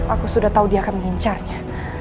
aku sudah tahu dia akan mengincarnya